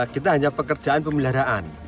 kita hanya pekerjaan pemeliharaan